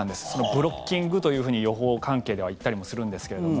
ブロッキングというふうに予報関係では言ったりするんですけども。